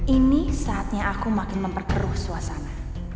ini saatnya aku makin memperkeruh suasana